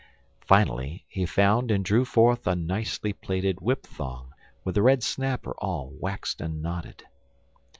Finally, he found and drew forth a nicely plaited whip thong with a red snapper all waxed and knotted.